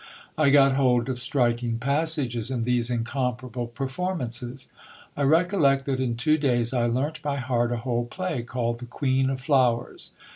I got hold of striking passages in these incomparable performances. I recollect that in two days I learnt by heart a whole play, called, The Queen of Flowers.